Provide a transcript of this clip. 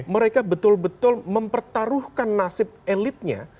mereka betul betul mempertaruhkan nasib elitnya